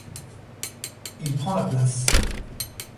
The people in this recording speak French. Il prend la place.